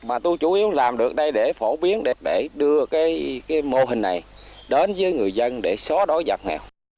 mà tôi chủ yếu làm được đây để phổ biến để đưa cái mô hình này đến với người dân để xóa đói giảm nghèo